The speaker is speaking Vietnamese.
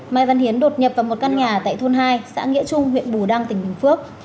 mai văn hiến đột nhập vào một căn nhà tại thôn hai xã nghĩa trung huyện bù đăng tỉnh bình phước